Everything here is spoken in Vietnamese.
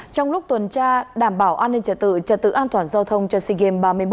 trong lúc tuần tra đảm bảo an ninh trật tự trật tự an toàn giao thông cho sea games ba mươi một